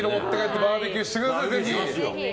バーベキューしてくださいぜひ。